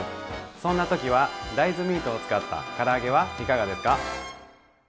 そんな時は大豆ミートを使ったから揚げはいかがですか？